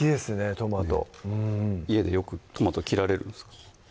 トマト家でよくトマト切られるんですか？